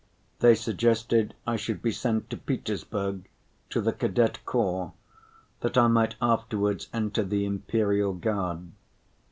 They suggested I should be sent to Petersburg to the Cadet Corps, that I might afterwards enter the Imperial Guard.